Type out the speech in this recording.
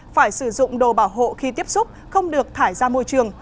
phải sử dụng đồ bảo hộ khi tiếp xúc không được thải ra môi trường